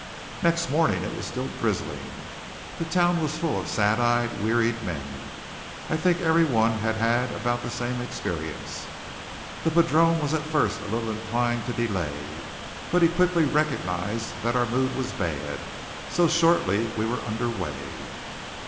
Next morning it was still drizzling. The town was full of sad eyed, wearied men. I think every one had had about the same experience. The padrone was at first a little inclined to delay; but he quickly recognized that our mood was bad, so shortly we were under way.